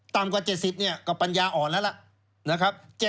กว่า๗๐เนี่ยก็ปัญญาอ่อนแล้วล่ะนะครับ